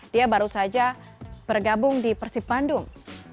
dia baru saja bergabung di persib bandung